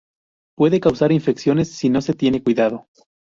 Puede causar infecciones si no se tiene cuidado.